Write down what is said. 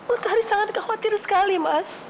utari sangat khawatir sekali mas